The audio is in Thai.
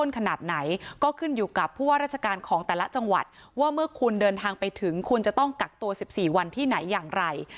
คุณเดินทางไปถึงคุณจะต้องกักตัว๑๔วันที่ไหนอย่างไร